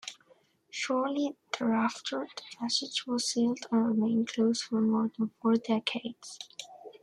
Shortly thereafter, the passage was sealed and remained closed for more than four decades.